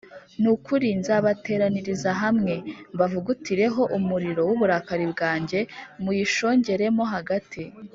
Ni ukuri nzabateraniriza hamwe, mbavugutireho umuriro w’uburakari bwanjye muyishongeremo hagati